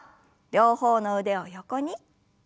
両方の腕を横に。